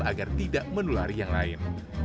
agar tidak menulari yang lain